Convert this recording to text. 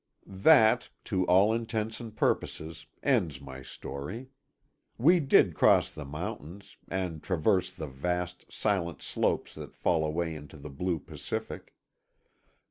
———— That, to all intents and purposes, ends my story. We did cross the mountains, and traverse the vast, silent slopes that fall away to the blue Pacific.